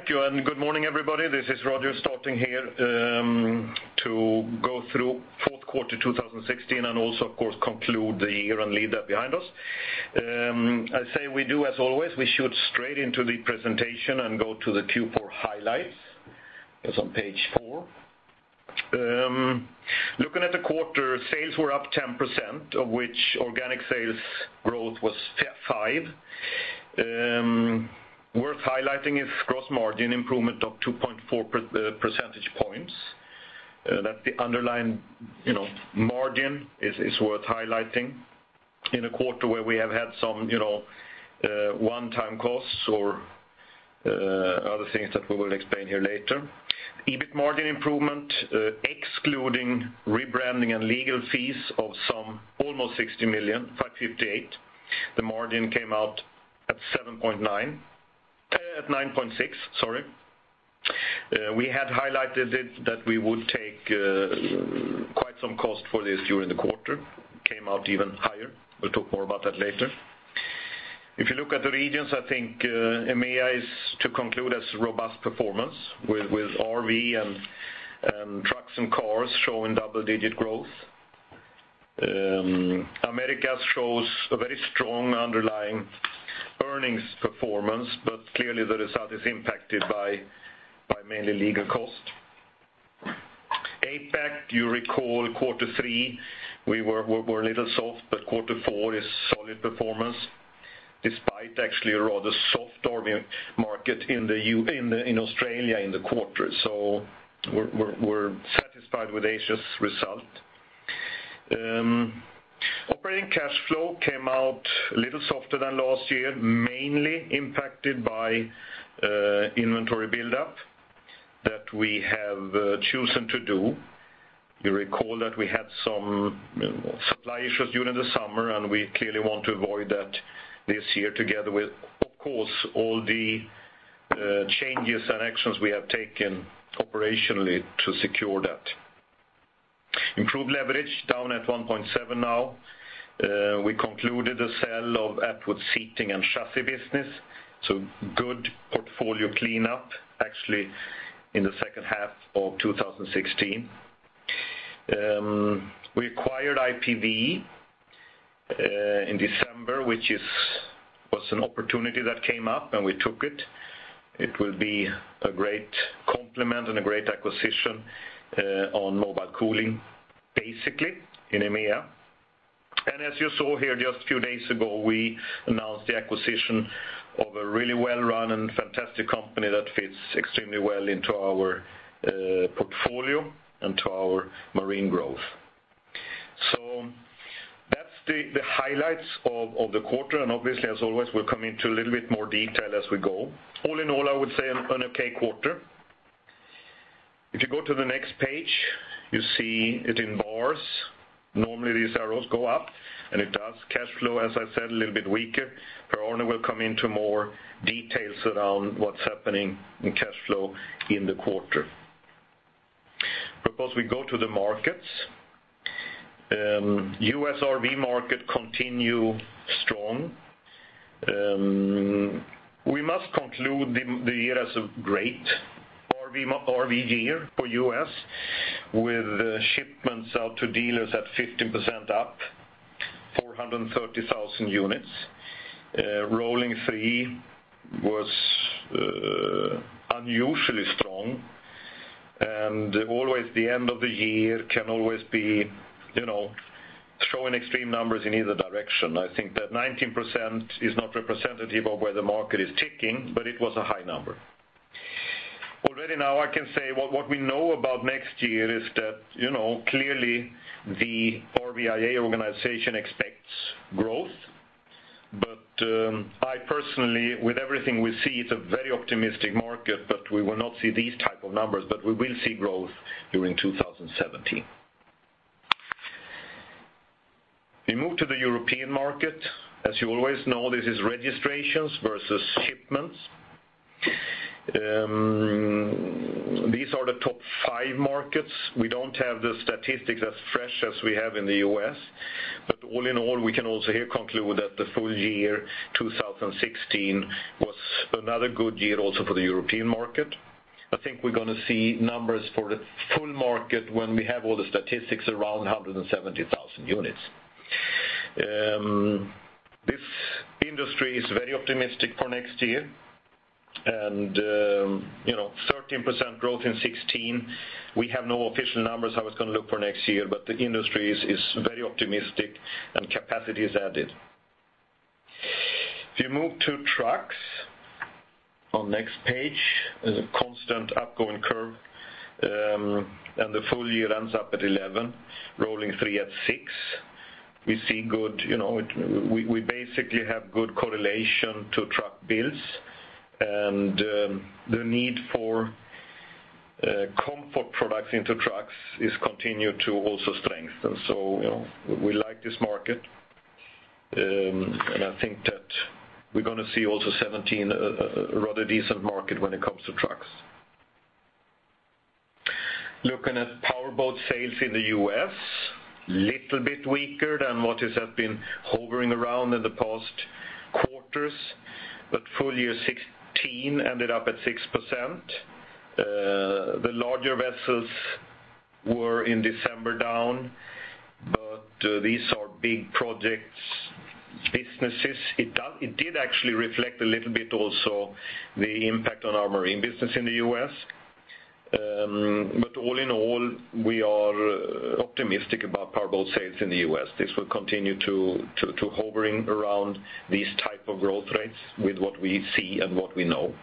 Thank you, good morning, everybody. This is Roger starting here to go through fourth quarter 2016, and also, of course, conclude the year and leave that behind us. I say we do as always, we shoot straight into the presentation and go to the Q4 highlights. That's on page four. Looking at the quarter, sales were up 10%, of which organic sales growth was 5%. Worth highlighting is gross margin improvement of 2.4 percentage points. That the underlying margin is worth highlighting in a quarter where we have had some one-time costs or other things that we will explain here later. EBIT margin improvement, excluding rebranding and legal fees of some almost 60 million, 58 million. The margin came out at 9.6%. We had highlighted it that we would take quite some cost for this during the quarter. Came out even higher. We'll talk more about that later. If you look at the regions, I think EMEA is to conclude as robust performance with RV and trucks and cars showing double-digit growth. Americas shows a very strong underlying earnings performance, but clearly the result is impacted by mainly legal cost. APAC, you recall quarter three, we were a little soft, but quarter four is solid performance, despite actually a rather soft RV market in Australia in the quarter. We're satisfied with Asia's result. Operating cash flow came out a little softer than last year, mainly impacted by inventory buildup that we have chosen to do. You recall that we had some supply issues during the summer, and we clearly want to avoid that this year together with, of course, all the changes and actions we have taken operationally to secure that. Improved leverage down at 1.7 now. We concluded the sale of Atwood Seating and Chassis business, good portfolio cleanup actually in the second half of 2016. We acquired IPV in December, which was an opportunity that came up, and we took it. It will be a great complement and a great acquisition on mobile cooling, basically in EMEA. As you saw here just a few days ago, we announced the acquisition of a really well-run and fantastic company that fits extremely well into our portfolio and to our marine growth. That's the highlights of the quarter, obviously, as always, we'll come into a little bit more detail as we go. All in all, I would say an okay quarter. If you go to the next page, you see it in bars. Normally, these arrows go up, it does cash flow, as I said, a little bit weaker. Per-Arne will come into more details around what's happening in cash flow in the quarter. Of course, we go to the markets. U.S. RV market continue strong. We must conclude the year as a great RV year for U.S., with shipments out to dealers at 15% up, 430,000 units. Rolling three was unusually strong, and always the end of the year can always be throwing extreme numbers in either direction. I think that 19% is not representative of where the market is ticking, but it was a high number. Already now I can say, what we know about next year is that, clearly the RVIA organization expects growth. I personally, with everything we see, it's a very optimistic market, we will not see these type of numbers, we will see growth during 2017. We move to the European market. As you always know, this is registrations versus shipments. These are the top five markets. We don't have the statistics as fresh as we have in the U.S., but all in all, we can also here conclude that the full year 2016 was another good year also for the European market. I think we're going to see numbers for the full market when we have all the statistics around 170,000 units. This industry is very optimistic for next year, and 13% growth in 2016. We have no official numbers how it's going to look for next year, but the industry is very optimistic and capacity is added. If you move to trucks on next page, there's a constant upgoing curve, and the full year ends up at 11, rolling three at six. We basically have good correlation to truck builds, and the need for comfort products into trucks is continue to also strengthen. We like this market, and I think that we're going to see also 2017 a rather decent market when it comes to trucks. Looking at powerboat sales in the U.S., little bit weaker than what has been hovering around in the past quarters, but full year 2016 ended up at 6%. The larger vessels were in December down, but these are big projects businesses. It did actually reflect a little bit also the impact on our marine business in the U.S. All in all, we are optimistic about powerboat sales in the U.S. This will continue to hovering around these type of growth rates with what we see and what we know.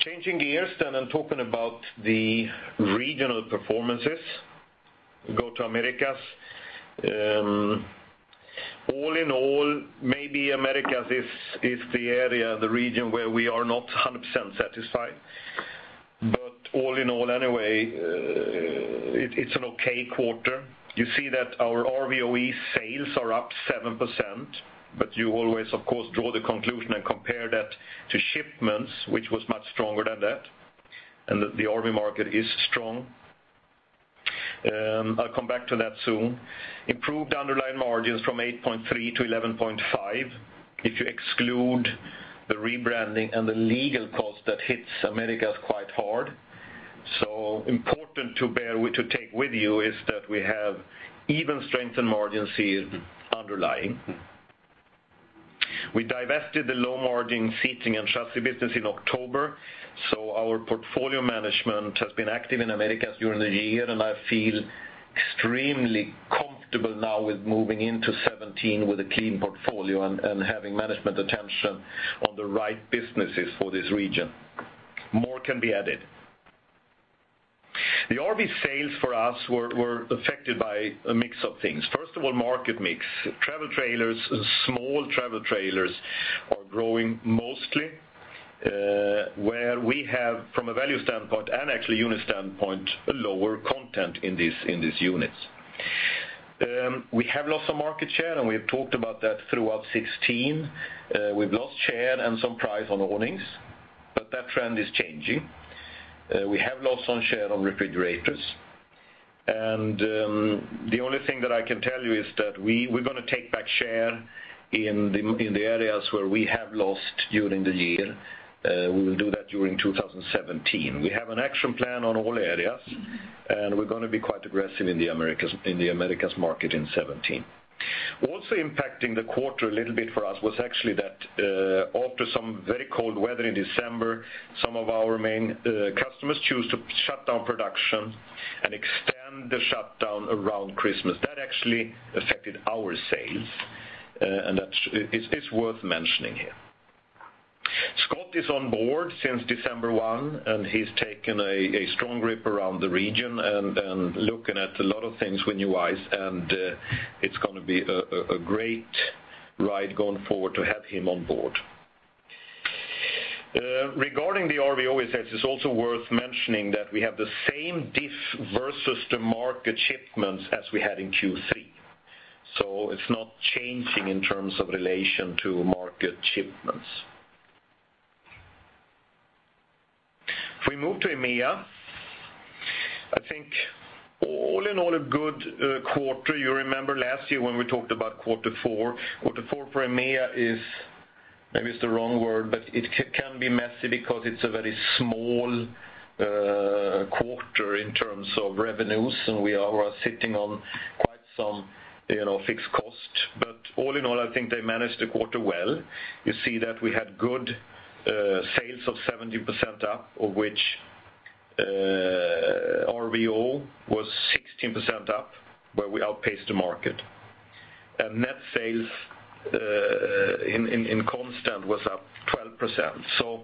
Changing gears and talking about the regional performances. Go to Americas. All in all, maybe Americas is the area, the region where we are not 100% satisfied. All in all, anyway, it's an okay quarter. You see that our RV OE sales are up 7%, but you always, of course, draw the conclusion and compare that to shipments, which was much stronger than that, and that the RV market is strong. I'll come back to that soon. Improved underlying margins from 8.3% to 11.5%, if you exclude the rebranding and the legal cost that hits Americas quite hard. Important to take with you is that we have even strengthened margins, seen underlying. We divested the low-margin Seating and Chassis business in October, our portfolio management has been active in Americas during the year, and I feel extremely comfortable now with moving into 2017 with a clean portfolio and having management attention on the right businesses for this region. More can be added. The RV sales for us were affected by a mix of things. First of all, market mix. Travel trailers, small travel trailers are growing mostly, where we have, from a value standpoint and actually unit standpoint, a lower content in these units. We have lost some market share, and we have talked about that throughout 2016. We've lost share and some price on awnings, but that trend is changing. We have lost some share on refrigerators. The only thing that I can tell you is that we're going to take back share in the areas where we have lost during the year. We will do that during 2017. We have an action plan on all areas, and we're going to be quite aggressive in the Americas market in 2017. Also impacting the quarter a little bit for us was actually that after some very cold weather in December, some of our main customers choose to shut down production and extend the shutdown around Christmas. That actually affected our sales, and that is worth mentioning here. Scott is on board since December 1, and he's taken a strong grip around the region and looking at a lot of things with new eyes, and it's going to be a great ride going forward to have him on board. Regarding the RV OE sales, it's also worth mentioning that we have the same diff versus the market shipments as we had in Q3. It's not changing in terms of relation to market shipments. If we move to EMEA. I think all in all, a good quarter. You remember last year when we talked about quarter four. Quarter four for EMEA is, maybe it's the wrong word, but it can be messy because it's a very small quarter in terms of revenues, and we are sitting on quite some fixed cost. All in all, I think they managed the quarter well. You see that we had good sales of 17% up, of which RV OE was 16% up, where we outpaced the market. Net sales in constant was up 12%.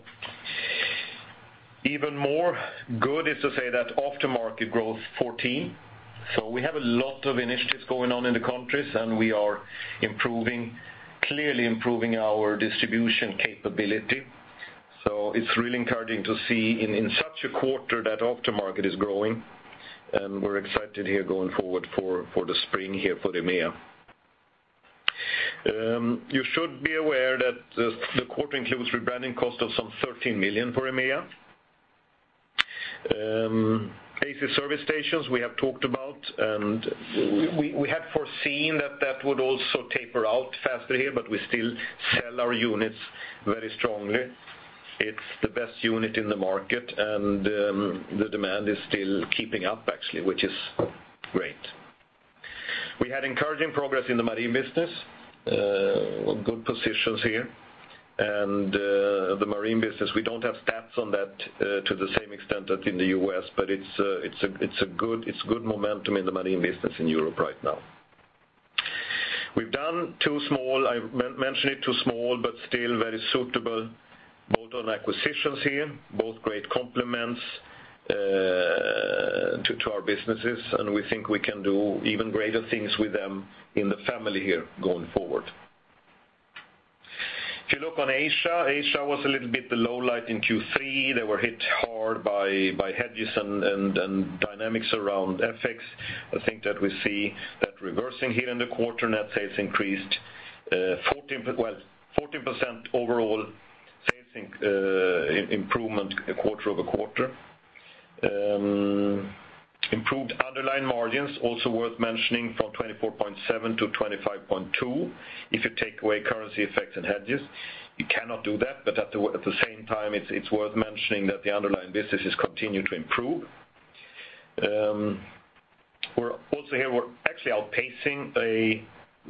Even more good is to say that aftermarket growth 14%. We have a lot of initiatives going on in the countries, and we are clearly improving our distribution capability. It's really encouraging to see in such a quarter that aftermarket is growing, and we're excited here going forward for the spring here for EMEA. You should be aware that the quarter includes rebranding cost of some 13 million for EMEA. AC service stations we have talked about. We had foreseen that that would also taper out faster here, but we still sell our units very strongly. It's the best unit in the market, and the demand is still keeping up actually, which is great. We had encouraging progress in the marine business. Good positions here. The marine business, we don't have stats on that to the same extent that in the U.S., but it's good momentum in the marine business in Europe right now. We've done two small, I mentioned it, two small, but still very suitable bolt-on acquisitions here, both great complements to our businesses, and we think we can do even greater things with them in the family here going forward. If you look on Asia was a little bit the low light in Q3. They were hit hard by hedges and dynamics around FX. I think that we see that reversing here in the quarter. Net sales increased 14% overall sales improvement quarter-over-quarter. Improved underlying margins, also worth mentioning, from 24.7 to 25.2, if you take away currency effects and hedges. You cannot do that, but at the same time, it's worth mentioning that the underlying businesses continue to improve. Also here, we're actually outpacing a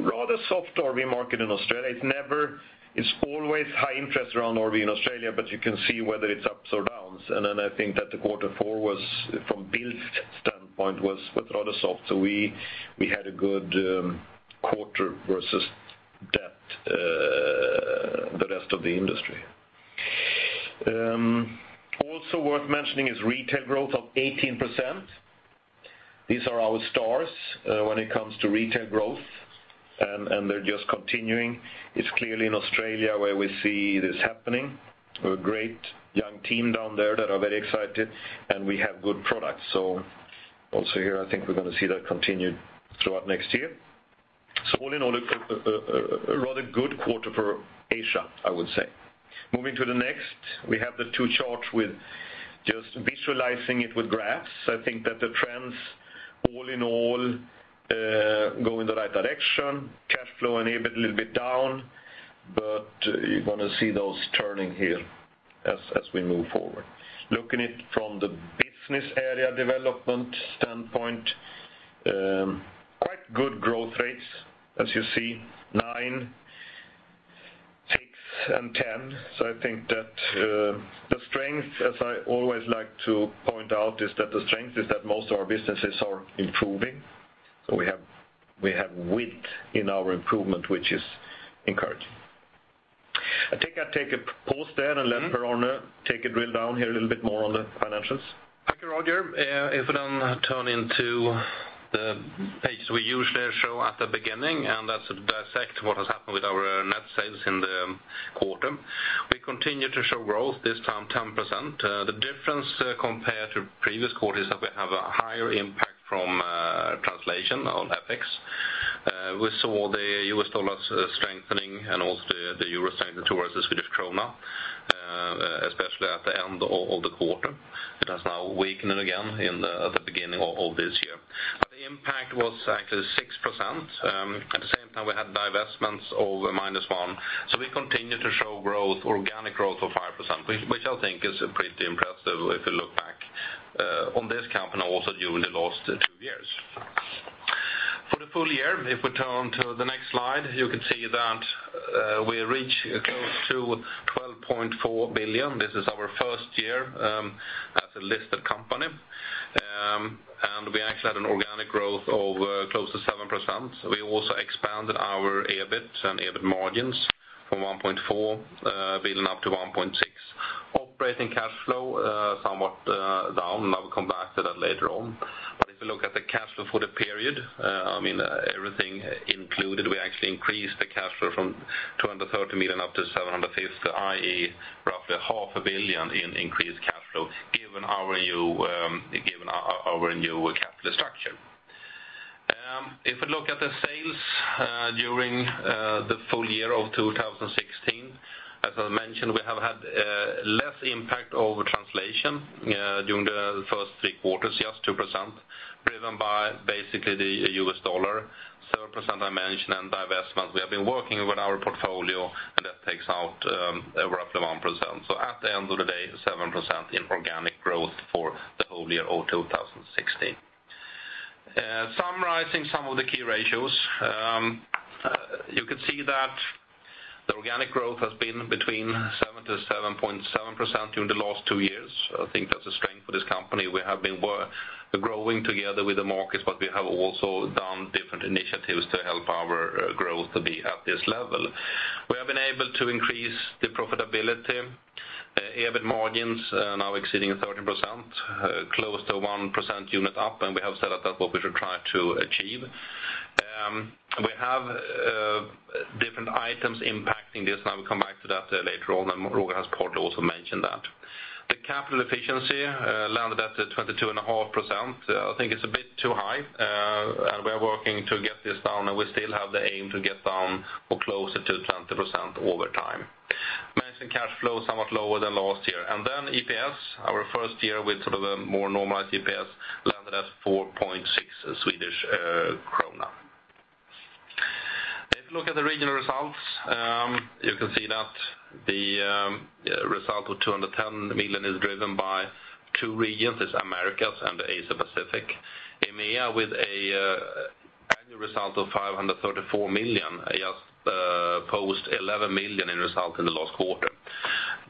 rather soft RV market in Australia. It's always high interest around RV in Australia, but you can see whether it's ups or downs. I think that the quarter four was, from build standpoint, was rather soft. We had a good quarter versus the rest of the industry. Also worth mentioning is retail growth of 18%. These are our stars when it comes to retail growth, and they're just continuing. It's clearly in Australia where we see this happening. We have a great young team down there that are very excited, and we have good products. I think we're going to see that continue throughout next year. All in all, a rather good quarter for Asia, I would say. Moving to the next, we have the two charts with just visualizing it with graphs. I think that the trends, all in all, go in the right direction. Cash flow and EBIT a little bit down. You're going to see those turning here as we move forward. Looking at it from the business area development standpoint, quite good growth rates, as you see, nine, six and 10. I think that the strength, as I always like to point out, is that the strength is that most of our businesses are improving. We have width in our improvement, which is encouraging. I think I take a pause there and let Per-Arne take a drill down here a little bit more on the financials. Thank you, Roger. We turn into the page we usually show at the beginning, and that's to dissect what has happened with our net sales in the quarter. We continue to show growth, this time 10%. The difference compared to previous quarter is that we have a higher impact from translation on FX. We saw the USD strengthening and also the EUR strengthening towards the SEK, especially at the end of the quarter. It has now weakened again in the beginning of this year. The impact was actually 6%. At the same time, we had divestments of minus 1. We continue to show growth, organic growth of 5%, which I think is pretty impressive if you look back on this company also during the last two years. For the full year, you can see that we reach close to 12.4 billion. This is our first year as a listed company. We actually had an organic growth of close to 7%. We also expanded our EBIT and EBIT margins from 1.4 billion up to 1.6 billion. Operating cash flow, somewhat down. I will come back to that later on. If you look at the cash flow for the period, everything included, we actually increased the cash flow from 230 million up to 750 million, i.e., roughly half a billion SEK in increased cash flow given our new capital structure. If we look at the sales during the full year of 2016, as I mentioned, we have had less impact over translation during the first three quarters, just 2%, driven by basically the USD, 3% I mentioned, and divestments. We have been working with our portfolio. That takes out roughly 1%. At the end of the day, 7% in organic growth for the whole year of 2016. Summarizing some of the key ratios. You can see that the organic growth has been between 7%-7.7% during the last two years. I think that's a strength for this company. We have been growing together with the markets, but we have also done different initiatives to help our growth to be at this level. We have been able to increase the profitability. EBIT margins are now exceeding 13%, close to 1% unit up. We have said that that's what we should try to achieve. We have different items impacting this. I will come back to that later on. Roger has partly also mentioned that. The capital efficiency landed at 22.5%. I think it's a bit too high. We are working to get this down, and we still have the aim to get down or closer to 20% over time. Management cash flow is somewhat lower than last year. EPS, our first year with sort of a more normalized EPS, landed at 4.6 Swedish krona. If you look at the regional results, you can see that the result of 210 million is driven by two regions. It's Americas and Asia Pacific. EMEA, with an annual result of 534 million, just posed 11 million in result in the last quarter.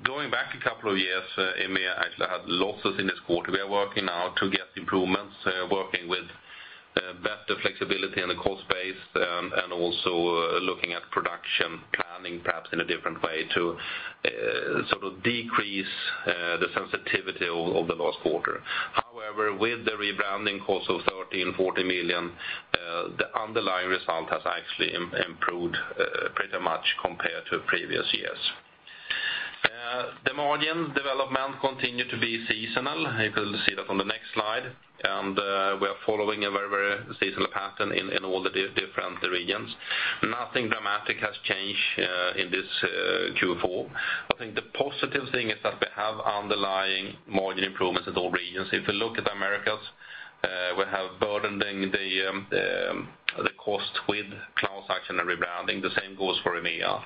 Going back a couple of years, EMEA actually had losses in this quarter. We are working now to get improvements, working with better flexibility in the cost base. Also looking at production planning perhaps in a different way to sort of decrease the sensitivity of the last quarter. However, with the rebranding cost of 13 million-40 million, the underlying result has actually improved pretty much compared to previous years. The margin development continued to be seasonal. You can see that on the next slide. We are following a very seasonal pattern in all the different regions. Nothing dramatic has changed in this Q4. I think the positive thing is that we have underlying margin improvements in all regions. If you look at Americas, we have burdening the cost with class action and rebranding. The same goes for EMEA.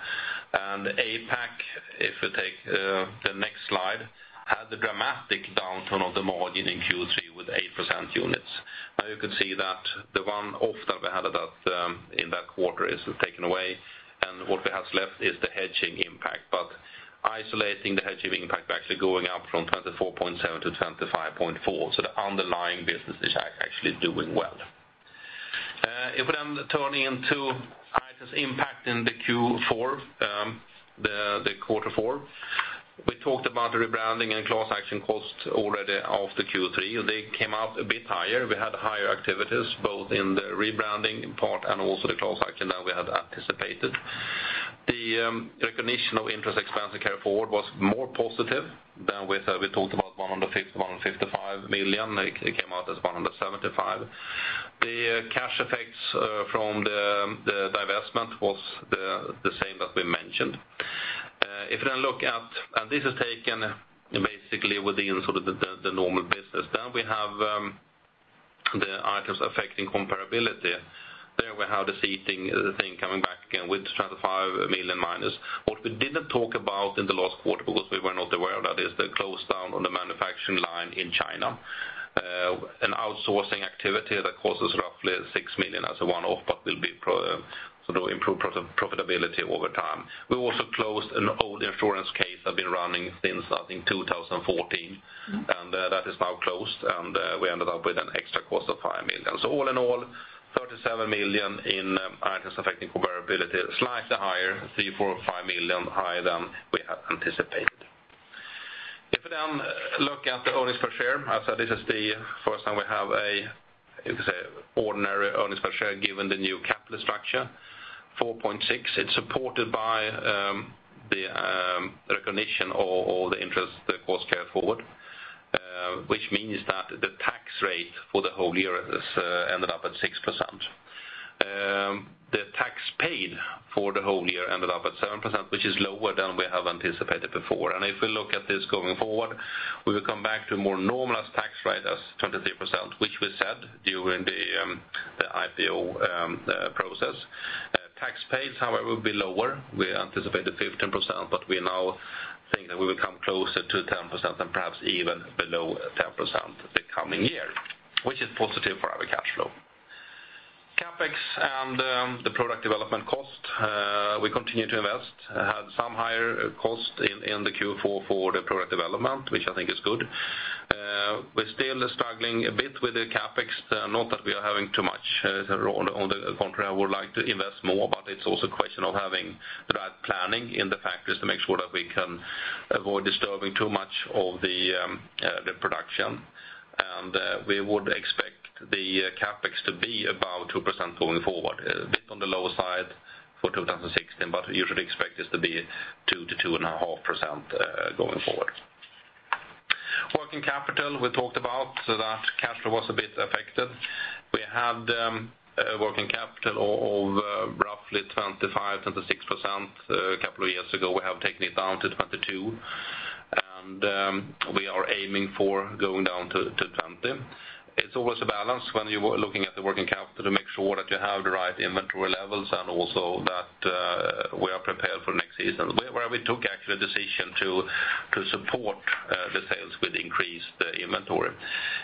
APAC, if we take the next slide, had the dramatic downturn of the margin in Q3 with 8% units. You can see that the one off that we had in that quarter is taken away. What we have left is the hedging impact. Isolating the hedging impact, we're actually going up from 24.7%-25.4%. The underlying business is actually doing well. We then turn into items impacting the Q4, the quarter four. We talked about the rebranding and class action costs already of the Q3. They came out a bit higher. We had higher activities both in the rebranding part. Also the class action than we had anticipated. The recognition of interest expense and carry forward was more positive than we thought. We talked about 150 million-155 million. It came out as 175 million. The cash effects from the divestment was the same that we mentioned. This is taken basically within sort of the normal business. We have the items affecting comparability. There we have the seating thing coming back in with 25 million minus. What we didn't talk about in the last quarter because we were not aware of that, is the close down on the manufacturing line in China. An outsourcing activity that causes roughly 6 million as a one-off, but will improve profitability over time. We also closed an old insurance case that had been running since, I think, 2014, and that is now closed, and we ended up with an extra cost of 5 million. All in all, 37 million in items affecting comparability, slightly higher, 3 million, 4 million, 5 million higher than we had anticipated. If you then look at the earnings per share, as this is the first time we have a, you could say, ordinary earnings per share given the new capital structure. 4.6, it's supported by the recognition of the interest cost carry forward, which means that the tax rate for the whole year has ended up at 6%. The tax paid for the whole year ended up at 7%, which is lower than we have anticipated before. If we look at this going forward, we will come back to more normal tax rate as 23%, which we said during the IPO process. Tax paid, however, will be lower. We anticipated 15%, but we now think that we will come closer to 10% and perhaps even below 10% the coming year, which is positive for our cash flow. CapEx and the product development cost, we continue to invest. Had some higher cost in the Q4 for the product development, which I think is good. We're still struggling a bit with the CapEx. Not that we are having too much. On the contrary, I would like to invest more, but it's also a question of having the right planning in the factories to make sure that we can avoid disturbing too much of the production. We would expect the CapEx to be about 2% going forward. A bit on the lower side for 2016, but you should expect this to be 2%-2.5% going forward. Working capital, we talked about that capital was a bit affected. We had working capital of roughly 25%-26% a couple of years ago. We have taken it down to 22%, and we are aiming for going down to 20%. It's always a balance when you are looking at the working capital to make sure that you have the right inventory levels and also that we are prepared for next season, where we took actually a decision to support the sales with increased inventory.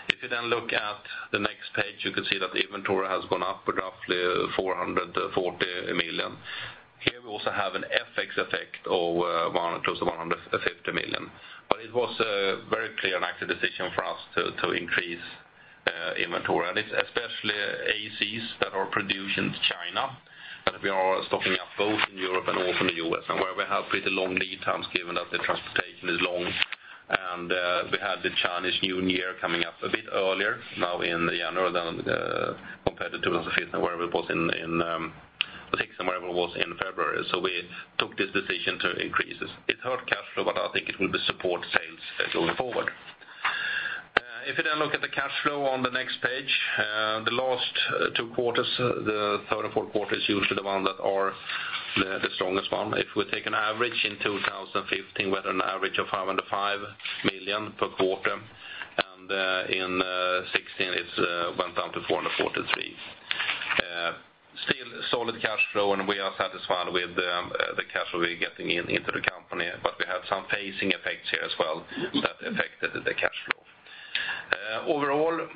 If you then look at the next page, you can see that inventory has gone up roughly 440 million. Here we also have an FX effect of close to 150 million. It was a very clear and active decision for us to increase inventory, and it's especially ACs that are produced in China, that we are stocking up both in Europe and also in the U.S. Where we have pretty long lead times given that the transportation is long, we had the Chinese New Year coming up a bit earlier now in January compared to 2015, where it was in, I think somewhere it was in February. We took this decision to increase this. It hurt cash flow, I think it will support sales going forward. If you look at the cash flow on the next page. The last two quarters, the third and fourth quarter is usually the one that are the strongest one. If we take an average in 2015, we had an average of 505 million per quarter, in 2016, it went down to 443 million. Still solid cash flow, we are satisfied with the cash flow we're getting into the company. We have some pacing effects here as well that affected the cash flow. Overall,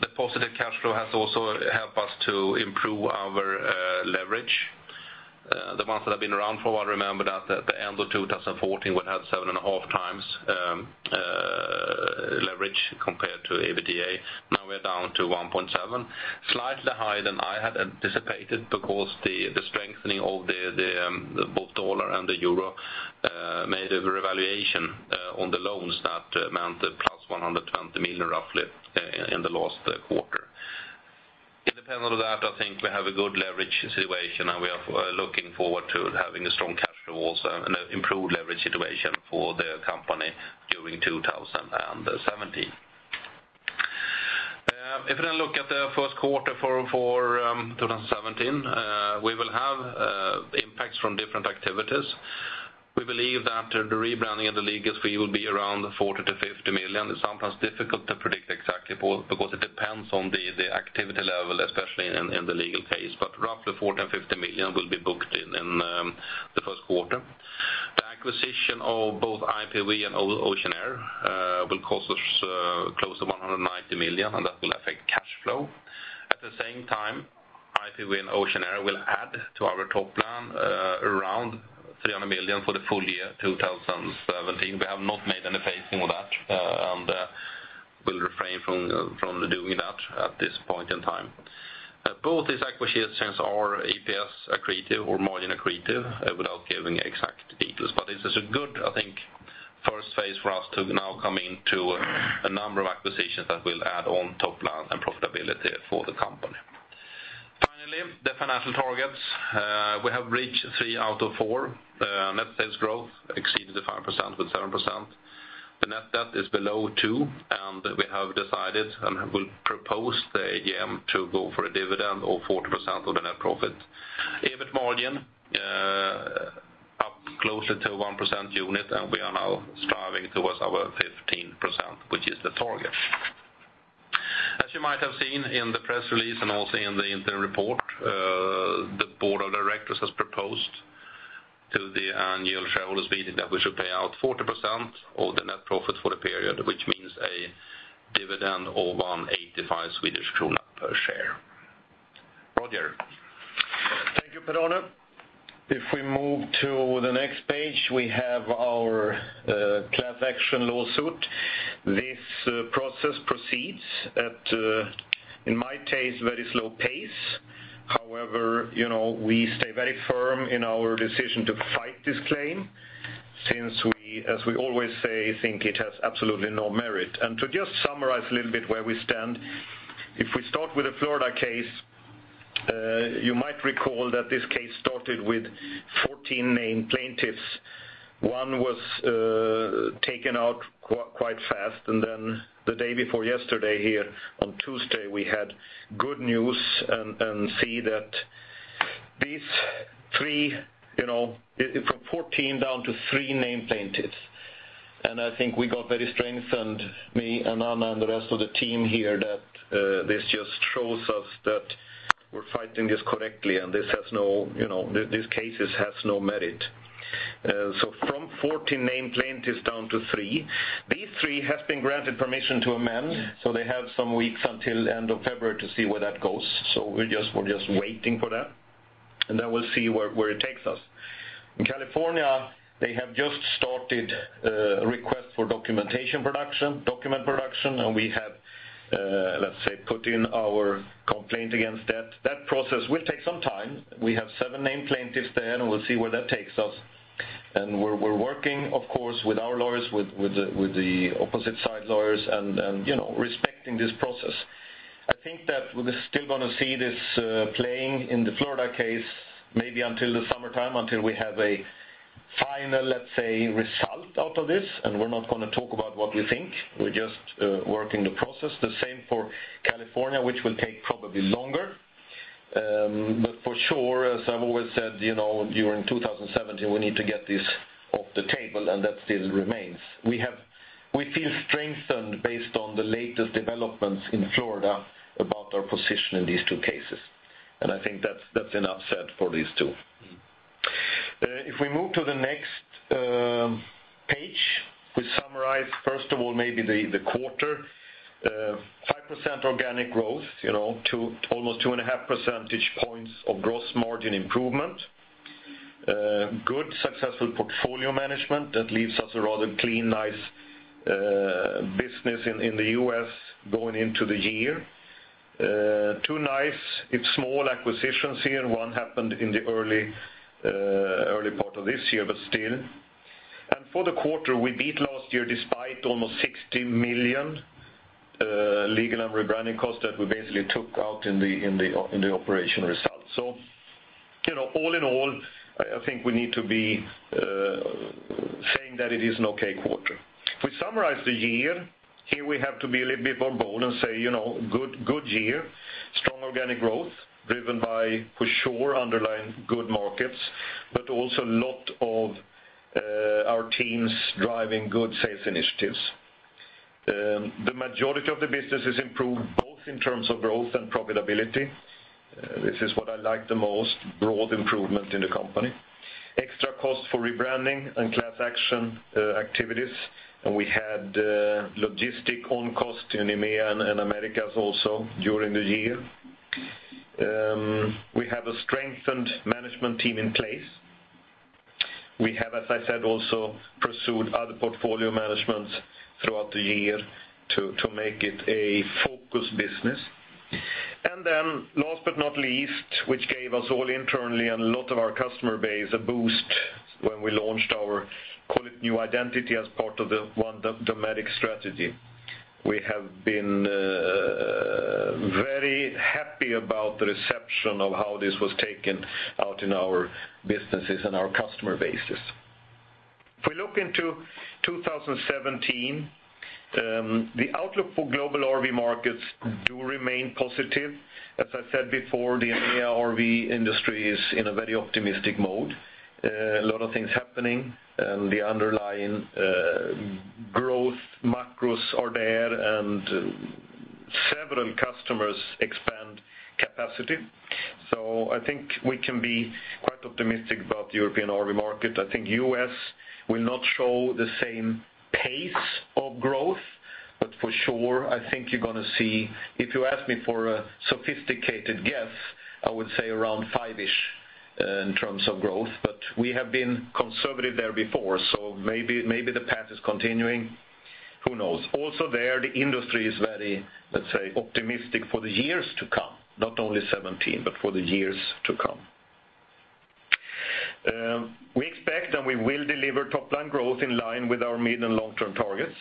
the positive cash flow has also helped us to improve our leverage. The ones that have been around for a while remember that at the end of 2014, we had 7.5 times leverage compared to EBITDA. Now we are down to 1.7, slightly higher than I had anticipated because the strengthening of both USD and the EUR made a revaluation on the loans that amount to plus 120 million, roughly, in the last quarter. Independent of that, I think we have a good leverage situation, we are looking forward to having strong cash flows and an improved leverage situation for the company during 2017. If we now look at the first quarter for 2017, we will have impacts from different activities. We believe that the rebranding and the legal fee will be around 40 million to 50 million. It's sometimes difficult to predict exactly because it depends on the activity level, especially in the legal case. Roughly 40 million and 50 million will be booked in the first quarter. The acquisition of both IPV and Oceanair will cost us close to 190 million, that will affect cash flow. At the same time, IPV and Oceanair will add to our top line around 300 million for the full year 2017. We have not made any phasing of that, we'll refrain from doing that at this point in time. Both these acquisitions are EPS accretive or margin accretive without giving exact details. This is a good first phase for us to now come into a number of acquisitions that will add on top line and profitability for the company. Finally, the financial targets. We have reached three out of four. Net sales growth exceeded 5% with 7%. The net debt is below two, we have decided and will propose the AGM to go for a dividend of 40% of the net profit. EBIT margin, up closer to 1% unit, we are now striving towards our 15%, which is the target. As you might have seen in the press release and also in the interim report, the board of directors has proposed to the annual shareholders meeting that we should pay out 40% of the net profit for the period, which means a dividend of 1.85 Swedish krona per share. Roger. Thank you, Per-Arne. If we move to the next page, we have our class action lawsuit. This process proceeds at, in my taste, very slow pace. We stay very firm in our decision to fight this claim since we, as we always say, think it has absolutely no merit. To just summarize a little bit where we stand, if we start with the Florida case, you might recall that this case started with 14 named plaintiffs. One was taken out quite fast, then the day before yesterday here on Tuesday, we had good news and see that from 14 down to three named plaintiffs. I think we got very strengthened, me and Anna and the rest of the team here, that this just shows us that we're fighting this correctly and these cases have no merit. From 14 named plaintiffs down to three. These three have been granted permission to amend, they have some weeks until end of February to see where that goes. We're just waiting for that, then we'll see where it takes us. In California, they have just started a request for document production, we have, let's say, put in our complaint against that. That process will take some time. We have seven named plaintiffs there, we'll see where that takes us. We're working, of course, with our lawyers, with the opposite side lawyers respecting this process. I think that we're still going to see this playing in the Florida case, maybe until the summertime, until we have a final result out of this, we're not going to talk about what we think. We're just working the process. The same for California, which will take probably longer. For sure, as I've always said, during 2017, we need to get this off the table, that still remains. We feel strengthened based on the latest developments in Florida about our position in these two cases. I think that's enough said for these two. If we move to the next page, we summarize, first of all, maybe the quarter. 5% organic growth, to almost two and a half percentage points of gross margin improvement. Good successful portfolio management that leaves us a rather clean, nice business in the U.S. going into the year. Two nice, if small, acquisitions here. One happened in the early part of this year, but still. For the quarter, we beat last year despite almost 60 million legal and rebranding costs that we basically took out in the operation results. All in all, I think we need to be saying that it is an okay quarter. If we summarize the year, here we have to be a little bit more bold and say, good year. Strong organic growth driven by, for sure, underlying good markets, but also a lot of our teams driving good sales initiatives. The majority of the business has improved both in terms of growth and profitability. This is what I like the most, broad improvement in the company. Extra cost for rebranding and class action activities. We had logistic own cost in EMEA and Americas also during the year. We have a strengthened management team in place. We have, as I said, also pursued other portfolio managements throughout the year to make it a focus business. Last but not least, which gave us all internally and a lot of our customer base a boost when we launched our new identity as part of the One Dometic strategy. We have been very happy about the reception of how this was taken out in our businesses and our customer bases. If we look into 2017, the outlook for global RV markets do remain positive. As I said before, the EMEA RV industry is in a very optimistic mode. A lot of things happening. The underlying growth macros are there, and several customers expand capacity. I think we can be quite optimistic about the European RV market. I think the U.S. will not show the same pace of growth, but for sure, I think you're going to see, if you ask me for a sophisticated guess, I would say around five-ish, in terms of growth. We have been conservative there before, maybe the path is continuing. Who knows? Also there, the industry is very, let's say, optimistic for the years to come, not only 2017, but for the years to come. We expect and we will deliver top-line growth in line with our mid and long-term targets.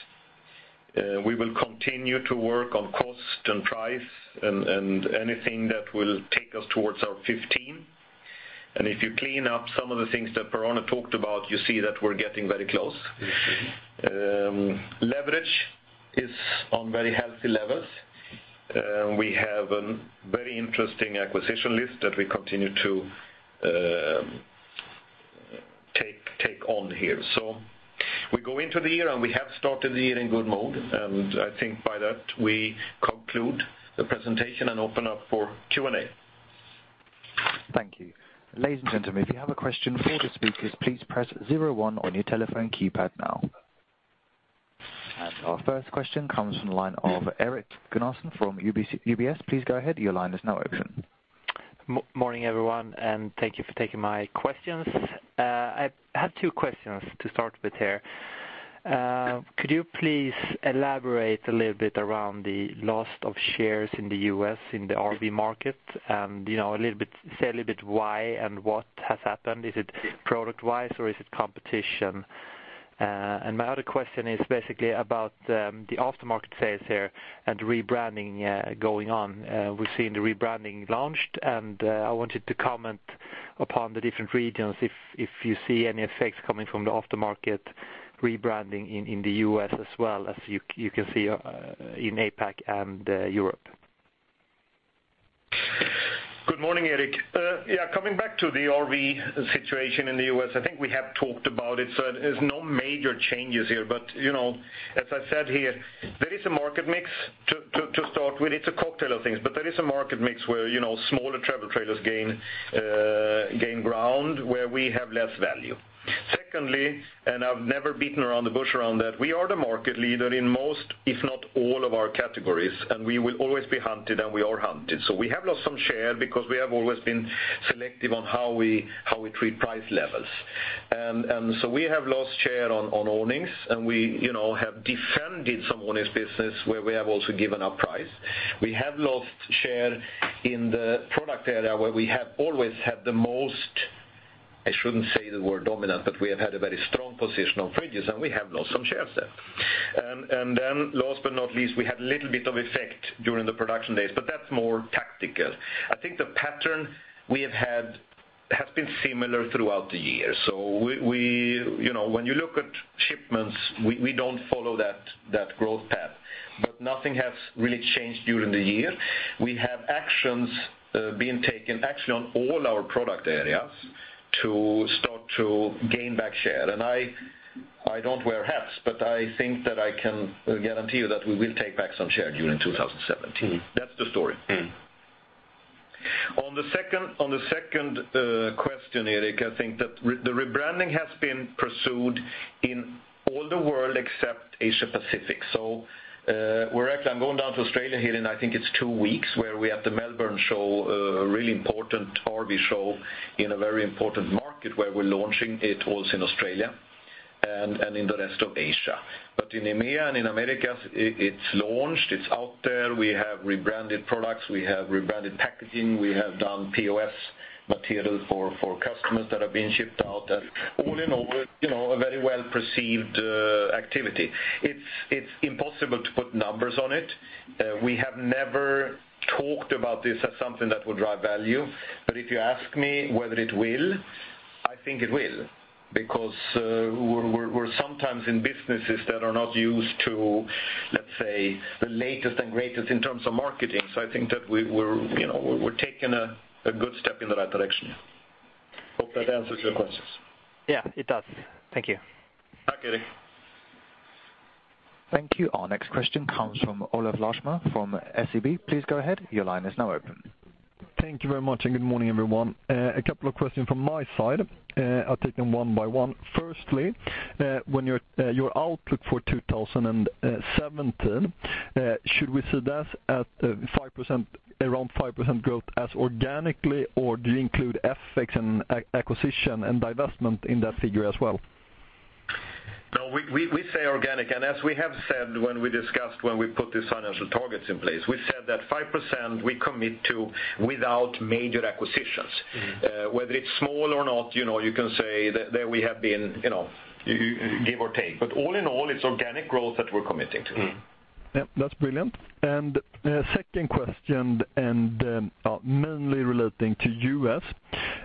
We will continue to work on cost and price and anything that will take us towards our 15%. If you clean up some of the things that Per-Ola talked about, you see that we're getting very close. Leverage is on very healthy levels. We have a very interesting acquisition list that we continue to take on here. We go into the year, and we have started the year in good mode. I think by that, we conclude the presentation and open up for Q&A. Thank you. Ladies and gentlemen, if you have a question for the speakers, please press 01 on your telephone keypad now. Our first question comes from the line of Erik Gunnarsson from UBS. Please go ahead. Your line is now open. Morning, everyone, thank you for taking my questions. I have two questions to start with here. Could you please elaborate a little bit around the loss of shares in the U.S. in the RV market and say a little bit why and what has happened? Is it product-wise or is it competition? My other question is basically about the aftermarket sales here and the rebranding going on. We've seen the rebranding launched, and I wanted to comment upon the different regions if you see any effects coming from the aftermarket rebranding in the U.S. as well as you can see in APAC and Europe. Good morning, Erik. Coming back to the RV situation in the U.S., I think we have talked about it, so there's no major changes here. As I said here, there is a market mix to start with. It's a cocktail of things. There is a market mix where smaller travel trailers gain ground, where we have less value. Secondly, I've never beaten around the bush around that, we are the market leader in most, if not all of our categories, and we will always be hunted, and we are hunted. We have lost some share because we have always been selective on how we treat price levels. We have lost share on awnings, and we have defended some awnings business where we have also given up price. We have lost share in the product area where we have always had the most, I shouldn't say the word dominant, but we have had a very strong position on fridges, and we have lost some shares there. Last but not least, we had a little bit of effect during the production days, but that's more tactical. I think the pattern we have had has been similar throughout the year. When you look at shipments, we don't follow that growth path. Nothing has really changed during the year. We have actions being taken actually on all our product areas to start to gain back share. I don't wear hats, but I think that I can guarantee you that we will take back some share during 2017. That's the story. On the second question, Erik, I think that the rebranding has been pursued in all the world except Asia Pacific. We're actually, I'm going down to Australia here in, I think it's two weeks, where we have the Melbourne show, a really important RV show in a very important market where we're launching it also in Australia and in the rest of Asia. In EMEA and in Americas, it's launched. It's out there. We have rebranded products. We have rebranded packaging. We have done POS material for customers that are being shipped out. All in all, a very well-perceived activity. It's impossible to put numbers on it. We have never talked about this as something that will drive value. If you ask me whether it will, I think it will, because we're sometimes in businesses that are not used to, let's say, the latest and greatest in terms of marketing. I think that we're taking a good step in the right direction. Hope that answers your questions. Yeah, it does. Thank you. Bye, Erik. Thank you. Our next question comes from Olav Larshma from SEB. Please go ahead. Your line is now open. Thank you very much, good morning, everyone. A couple of questions from my side. I'll take them one by one. Firstly, when your outlook for 2017, should we see that at around 5% growth as organically, or do you include effects and acquisition and divestment in that figure as well? No, we say organic. As we have said when we discussed when we put these financial targets in place, we said that 5% we commit to without major acquisitions. Whether it's small or not, you can say that we have been give or take. All in all, it's organic growth that we're committing to. That's brilliant. Second question, and mainly relating to U.S.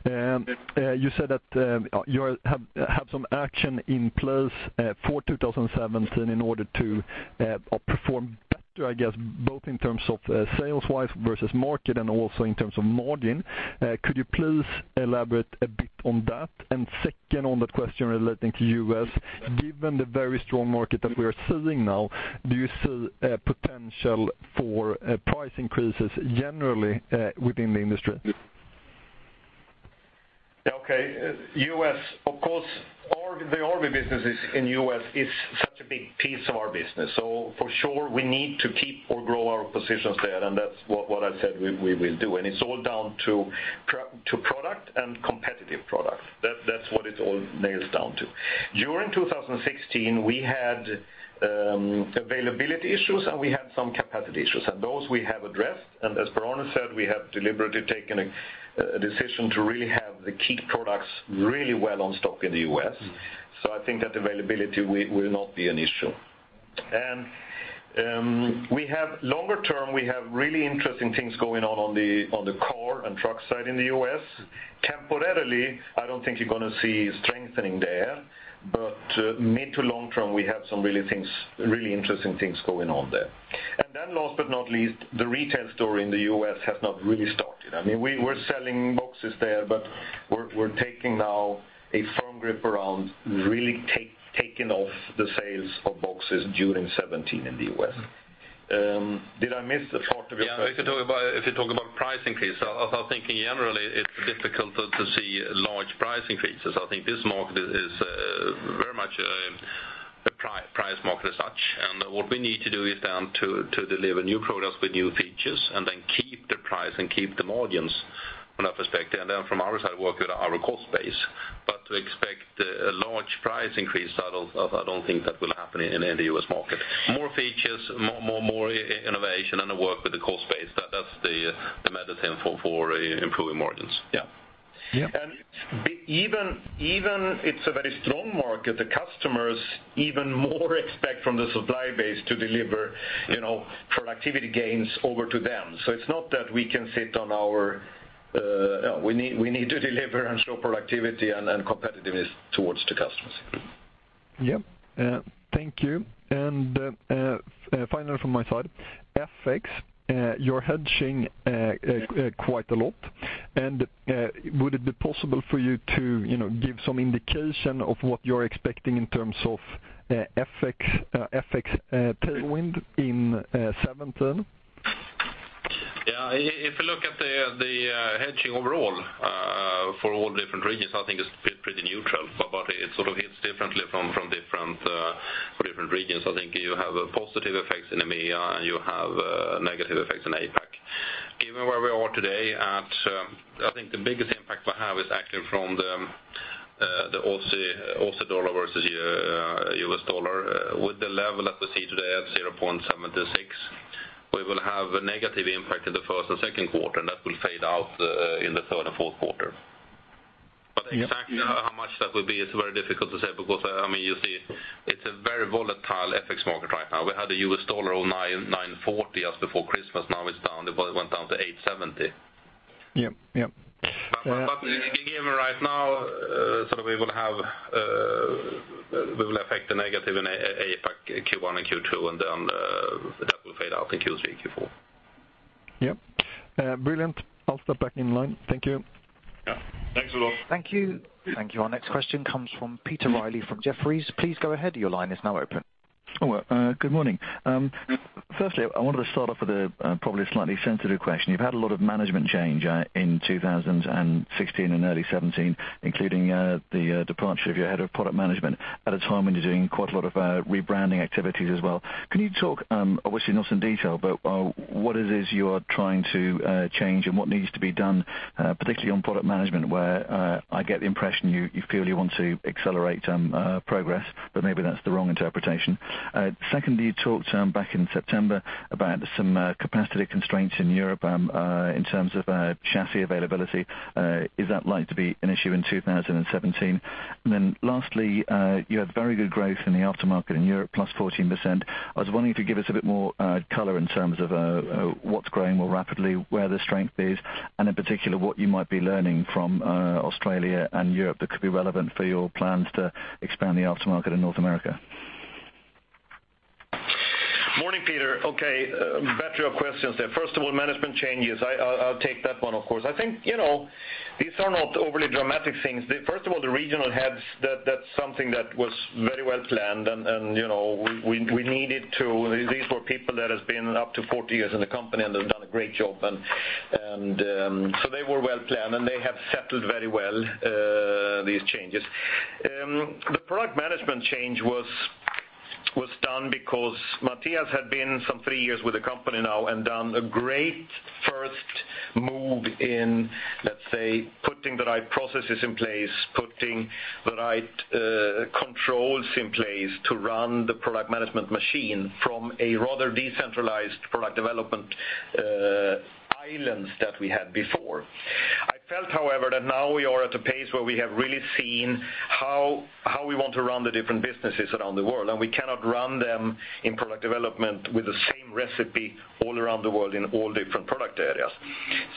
You said that you have some action in place for 2017 in order to perform better, I guess, both in terms of sales-wise versus market, and also in terms of margin. Could you please elaborate a bit on that? Second on that question relating to U.S., given the very strong market that we are seeing now, do you see potential for price increases generally within the industry? Yeah, okay. U.S., of course, the RV OE businesses in U.S. is such a big piece of our business. For sure, we need to keep or grow our positions there, and that's what I said we will do. It's all down to product and competitive products. That's what it all nails down to. During 2016, we had availability issues, and we had some capacity issues, and those we have addressed. As Per-Arne said, we have deliberately taken a decision to really have the key products really well on stock in the U.S. I think that availability will not be an issue. Longer term, we have really interesting things going on on the car and truck side in the U.S. Temporarily, I don't think you're going to see strengthening there. Mid to long term, we have some really interesting things going on there. Last but not least, the retail store in the U.S. has not really started. We're selling boxes there, but we're taking now a firm grip around really taking off the sales of boxes during 2017 in the U.S. Did I miss a part of your question? Yeah, if you talk about price increase, I was thinking generally it's difficult to see large price increases. I think this market is very much a price market as such. What we need to do is down to deliver new products with new features and then keep the price and keep the margins from that perspective. From our side, work with our cost base. To expect a large price increase, I don't think that will happen in the U.S. market. More features, more innovation, and a work with the cost base, that's the medicine for improving margins. Yeah. Yeah. Even it's a very strong market, the customers even more expect from the supply base to deliver productivity gains over to them. We need to deliver and show productivity and competitiveness towards the customers. Yeah. Thank you. Final from my side. FX, you're hedging quite a lot. Would it be possible for you to give some indication of what you're expecting in terms of FX tailwind in 2017? Yeah. If you look at the hedging overall for all different regions, I think it is pretty neutral. It sort of hits differently for different regions. I think you have positive effects in EMEA. You have negative effects in APAC. Given where we are today, I think the biggest impact we have is actually from the AUD versus USD. With the level that we see today at 0.76, we will have a negative impact in the first and second quarter, and that will fade out in the third and fourth quarter. Yeah. Exactly how much that will be is very difficult to say because you see it is a very volatile FX market right now. We had the USD on 940 just before Christmas. Now it went down to 870. Yeah. Given right now, we will affect the negative in APAC Q1 and Q2. That will fade out in Q3 and Q4. Yeah. Brilliant. I will step back in line. Thank you. Yeah. Thanks a lot. Thank you. Our next question comes from Peter Reilly from Jefferies. Please go ahead. Your line is now open. Good morning. Firstly, I wanted to start off with a probably slightly sensitive question. You've had a lot of management change in 2016 and early 2017, including the departure of your head of product management at a time when you're doing quite a lot of rebranding activities as well. Can you talk, obviously not in detail, but what it is you are trying to change, and what needs to be done, particularly on product management, where I get the impression you feel you want to accelerate progress, but maybe that's the wrong interpretation. Secondly, you talked back in September about some capacity constraints in Europe in terms of chassis availability. Is that likely to be an issue in 2017? Lastly, you had very good growth in the aftermarket in Europe, +14%. I was wondering if you give us a bit more color in terms of what's growing more rapidly, where the strength is, and in particular, what you might be learning from Australia and Europe that could be relevant for your plans to expand the aftermarket in North America. Morning, Peter. Okay, battery of questions there. First of all, management changes. I'll take that one, of course. I think these are not overly dramatic things. First of all, the regional heads, that's something that was very well planned, and we needed to. These were people that has been up to 40 years in the company, and they've done a great job. They were well planned, and they have settled very well, these changes. The product management change was done because Matthias had been some three years with the company now and done a great first move in, let's say, putting the right processes in place, putting the right controls in place to run the product management machine from a rather decentralized product development that we had before. I felt, however, that now we are at a pace where we have really seen how we want to run the different businesses around the world, and we cannot run them in product development with the same recipe all around the world in all different product areas.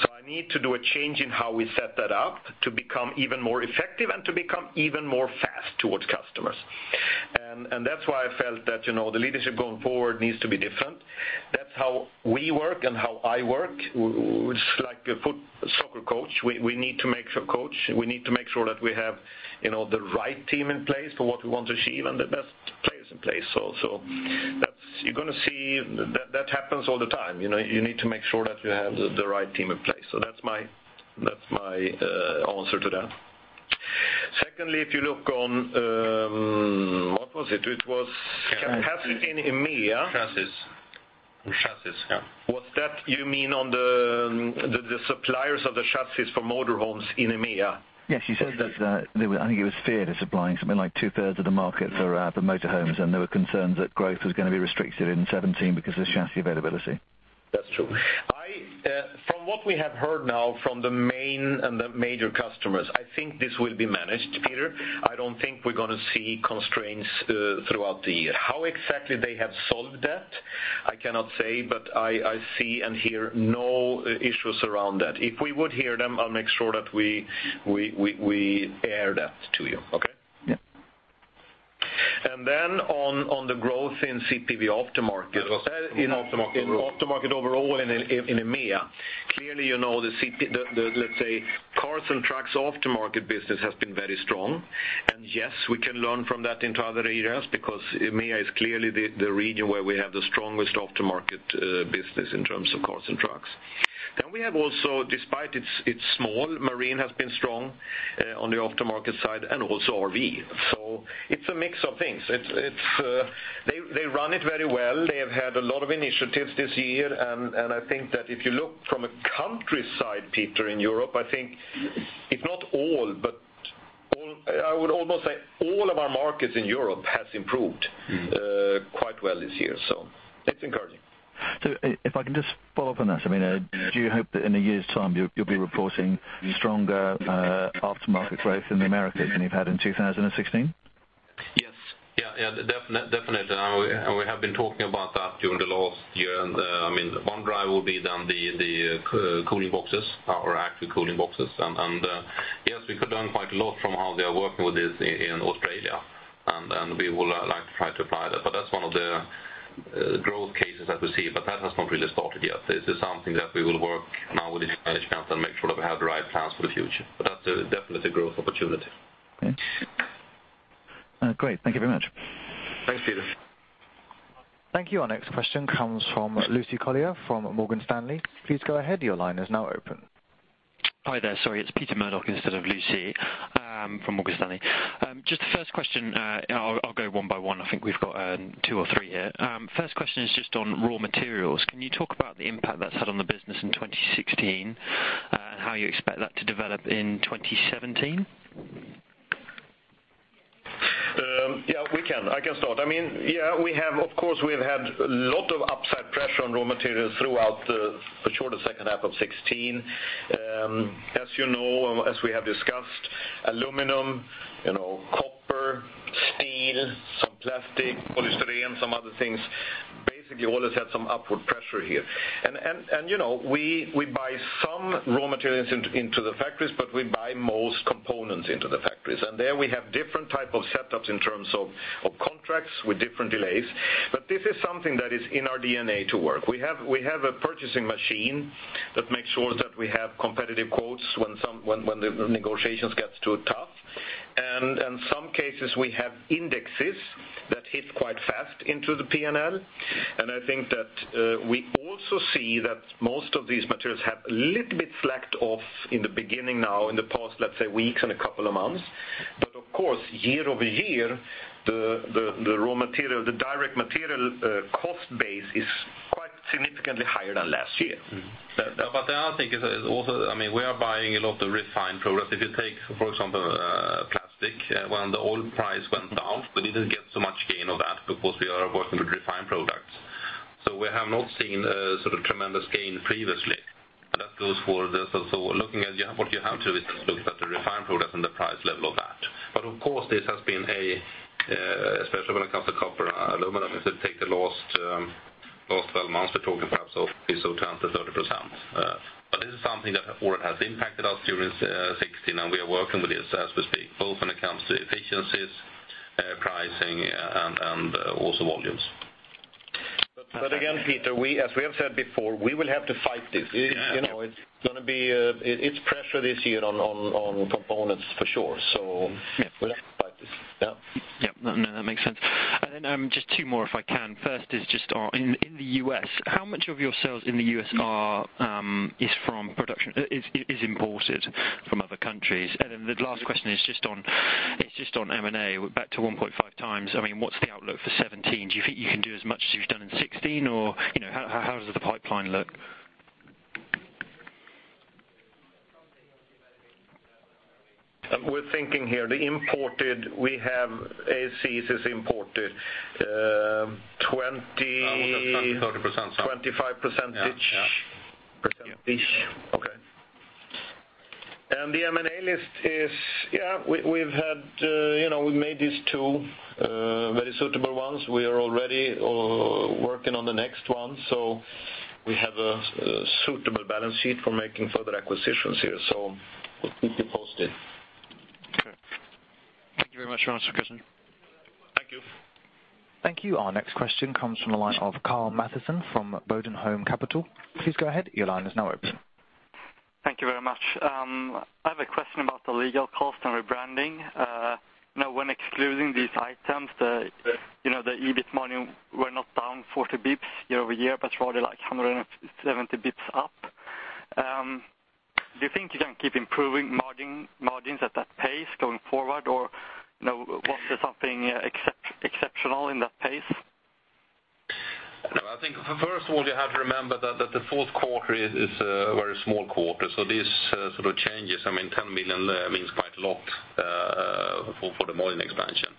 I need to do a change in how we set that up to become even more effective and to become even faster towards customers. That's why I felt that the leadership going forward needs to be different. That's how we work and how I work. It's like a soccer coach. We need to make sure that we have the right team in place for what we want to achieve and the best players in place. You're going to see that happens all the time. You need to make sure that you have the right team in place. That's my answer to that. Secondly, if you look on, what was it? It was capacity in EMEA. Chassis. Was that you mean on the suppliers of the chassis for motor homes in EMEA? Yes. You said that, I think it was Fiat supplying something like two-thirds of the market for motor homes. There were concerns that growth was going to be restricted in 2017 because of chassis availability. That's true. From what we have heard now from the main and the major customers, I think this will be managed, Peter. I don't think we're going to see constraints throughout the year. How exactly they have solved that, I cannot say, but I see and hear no issues around that. If we would hear them, I'll make sure that we air that to you. Okay? Yeah. On the growth in CPV aftermarket- Aftermarket overall in aftermarket overall in EMEA, clearly, let's say cars and trucks aftermarket business has been very strong. Yes, we can learn from that into other areas because EMEA is clearly the region where we have the strongest aftermarket business in terms of cars and trucks. We have also, despite it's small, marine has been strong on the aftermarket side, and also RV. It's a mix of things. They run it very well. They have had a lot of initiatives this year, and I think that if you look from a country side, Peter, in Europe, I think if not all, but I would almost say all of our markets in Europe has improved quite well this year. It's encouraging. If I can just follow up on that, do you hope that in a year's time you'll be reporting stronger aftermarket growth in the Americas than you've had in 2016? Yes. Definitely. We have been talking about that during the last year. One driver will be then the cooling boxes, our active cooling boxes. Yes, we could learn quite a lot from how they are working with this in Australia. We would like to try to apply that. That's one of the growth cases that we see, but that has not really started yet. This is something that we will work now with the new management and make sure that we have the right plans for the future. That's definitely a growth opportunity. Okay. Great. Thank you very much. Thanks, Peter. Thank you. Our next question comes from Lucy Collier from Morgan Stanley. Please go ahead. Your line is now open. Hi there. Sorry, it's Peter Murdoch instead of Lucy from Morgan Stanley. Just the first question, I'll go one by one. I think we've got two or three here. First question is just on raw materials. Can you talk about the impact that's had on the business in 2016, and how you expect that to develop in 2017? Yeah, we can. I can start. Of course, we've had lot of upside pressure on raw materials throughout for sure the second half of 2016. As you know, as we have discussed, aluminum, copper, steel, some plastic, polystyrene, some other things, basically all has had some upward pressure here. We buy some raw materials into the factories, but we buy most components into the factories. There we have different type of setups in terms of contracts with different delays. This is something that is in our DNA to work. We have a purchasing machine that makes sure that we have competitive quotes when the negotiations gets too tough. Some cases, we have indexes that hit quite fast into the P&L. I think that we also see that most of these materials have a little bit slacked off in the beginning now in the past, let's say, weeks and a couple of months. Of course, year-over-year, the raw material, the direct material cost base is quite significantly higher than last year. The other thing is also, we are buying a lot of refined products. If you take, for example plastic, when the oil price went down, we didn't get so much gain of that because we are working with refined products. We have not seen a sort of tremendous gain previously. That goes for this. Looking at what you have to look at the refined products and the price level of that. Of course, this has been a, especially when it comes to copper and aluminum, if you take the last 12 months, we're talking perhaps of 20%-30%. This is something that already has impacted us during 2016, and we are working with this as we speak, both when it comes to efficiencies, pricing, and also volumes. Again, Peter, as we have said before, we will have to fight this. Yeah. It's going to be pressure this year on components for sure. We'll have to fight this. Yeah. Yeah. No, that makes sense. Just two more, if I can. First is just on in the U.S., how much of your sales in the U.S. is imported from other countries? The last question is just on M&A, back to 1.5 times. What's the outlook for 2017? Do you think you can do as much as you've done in 2016, or how does the pipeline look? We're thinking here, the imported, we have ACs is imported. Around 20, 30% something. 25%. Yeah. Okay. The M&A list is, we've made these two very suitable ones. We are already working on the next one. We have a suitable balance sheet for making further acquisitions here. We'll keep you posted. Okay. Thank you very much, Jonas and Christian. Thank you. Thank you. Our next question comes from the line of Carl Matheson from Bodenholm Capital. Please go ahead. Your line is now open. Thank you very much. I have a question about the legal cost and rebranding. When excluding these items, the EBIT margin were not down 40 basis points year-over-year, it's rather like 170 basis points up. Do you think you can keep improving margins at that pace going forward? Was there something exceptional in that pace? No, I think first of all, you have to remember that the fourth quarter is a very small quarter. These sort of changes, 10 million means quite a lot for the margin expansion.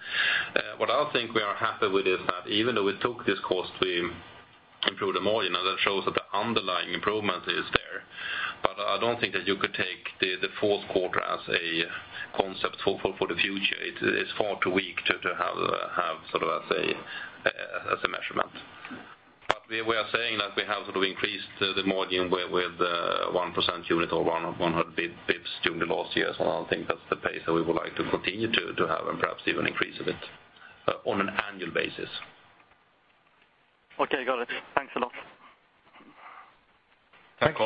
What I think we are happy with is that even though we took this cost to improve the margin, that shows that the underlying improvement is there. I don't think that you could take the fourth quarter as a concept for the future. It is far too weak to have as a measurement. We are saying that we have to increase the margin with 1% unit or 100 basis points during the last year. I think that's the pace that we would like to continue to have and perhaps even increase a bit on an annual basis. Okay, got it. Thanks a lot. Thank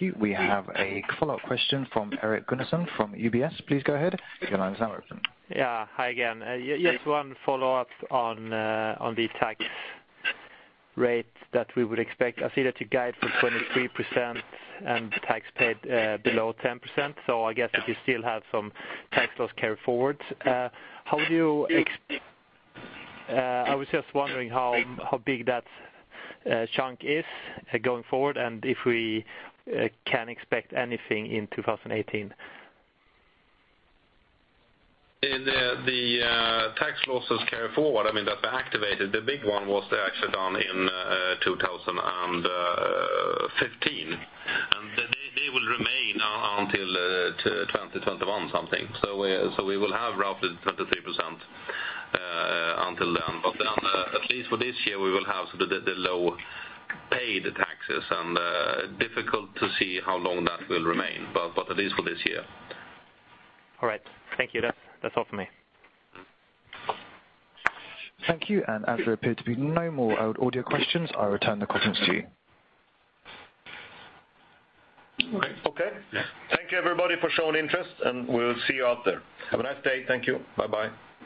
you. We have a follow-up question from Erik Gunnarsson from UBS. Please go ahead. Your line is now open. Yeah. Hi again. Just one follow-up on the tax rate that we would expect. I see that you guide for 23% and tax paid below 10%. I guess that you still have some tax loss carry-forwards. I was just wondering how big that chunk is going forward, and if we can expect anything in 2018. The tax losses carry forward, that we activated, the big one was actually done in 2015. They will remain until 2021 something. We will have roughly 23% until then. At least for this year, we will have the low paid taxes and difficult to see how long that will remain, but at least for this year. All right. Thank you. That's all from me. Thank you. As there appear to be no more audio questions, I return the conference to you. Okay. Thank you everybody for showing interest, and we'll see you out there. Have a nice day. Thank you. Bye-bye.